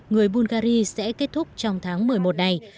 người bungary sẽ kết thúc trong tháng một mươi một này